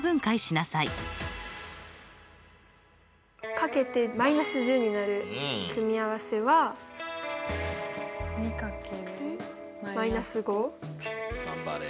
かけて−１０になる組み合わせは頑張れ。